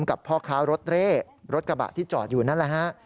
กับพ่อค้ารถเร่รถกระบะที่จอดอยู่นั่นแหละฮะ